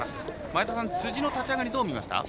前田さん、辻の立ち上がりどう見ましたか。